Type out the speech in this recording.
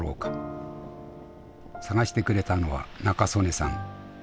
捜してくれたのは仲宗根さん。